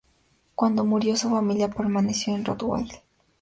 Cuando murió, su familia permaneció en Rottweil.